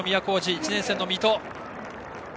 １年生の水戸。